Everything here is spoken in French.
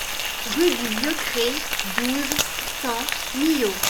Rue du Vieux Crès, douze, cent Millau